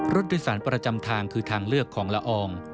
รถโดยสารประจำทางคือทางเลือกของละออง